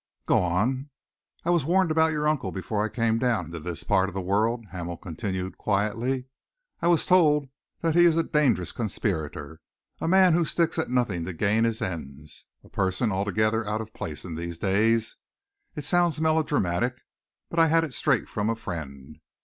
"Go on." "I was warned about your uncle before I came down into this part of the world," Hamel continued quietly. "I was told that he is a dangerous conspirator, a man who sticks at nothing to gain his ends, a person altogether out of place in these days. It sounds melodramatic, but I had it straight from a friend.